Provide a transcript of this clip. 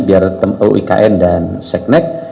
biar uikn dan seknek